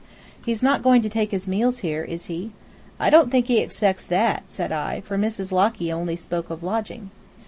"He's not going to take his meals here, is he?" "I don't think he expects that," I said, "for Mrs. Locky only spoke of lodging."